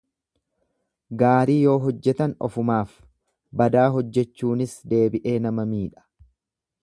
Gaarii yoo hojjetan ofumaaf badaa hojjechuunis deebi'ee nama miidha.